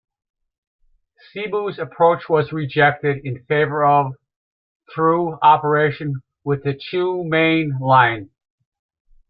Seibu's approach was rejected in favor of through operation with the Chuo Main Line.